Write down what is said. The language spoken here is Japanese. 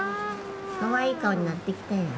かわいい顔になってきたよ。